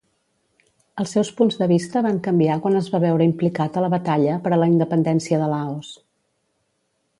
Els seus punts de vista van canviar quan es va veure implicat a la batalla per a la independència de Laos.